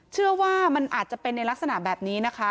เชื่อว่ามันอาจจะเป็นในลักษณะแบบนี้นะคะ